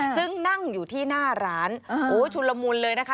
ซึ่งนั่งอยู่ที่หน้าร้านชุนละมุนเลยนะคะ